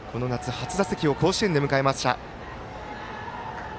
初打席を甲子園で迎えました。